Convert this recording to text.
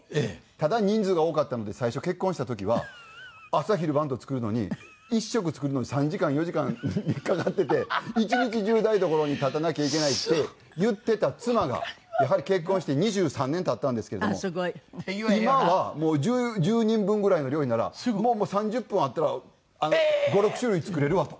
ただ人数が多かったので最初結婚した時は朝昼晩と作るのに１食作るのに３時間４時間かかってて「一日中台所に立たなきゃいけない」って言ってた妻がやはり結婚して２３年経ったんですけれども今は「１０人分ぐらいの料理ならもう３０分あったら５６種類作れるわ」と。